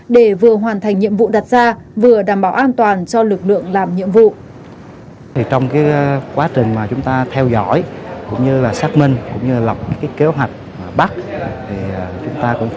để vừa hoàn thành nhiệm vụ đặt ra vừa đảm bảo an toàn cho lực lượng làm nhiệm vụ